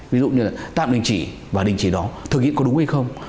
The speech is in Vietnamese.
ví dụ như là tạm đình chỉ và đình chỉ đó thực hiện có đúng hay không